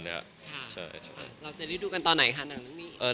เราจะได้ดูกันตอนไหนค่ะหนังเรื่องนี้